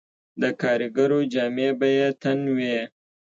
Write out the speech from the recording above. د کاریګرو جامې به یې تن وې